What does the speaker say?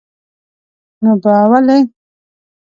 نو با ولي?